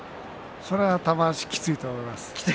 それは玉鷲がきついと思います。